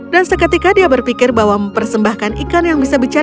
dan seketika dia berpikir bahwa mempersembahkan ikan yang bisa bicara